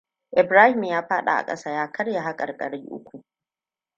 Ibrahim ya faɗi a ƙasa ya karya haƙarƙai uku.